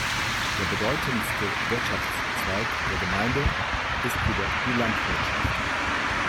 Der bedeutendste Wirtschaftszweig der Gemeinde ist jedoch die Landwirtschaft.